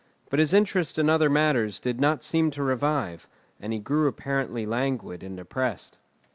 But his interest in other matters did not seem to revive, and he grew apparently languid and depressed.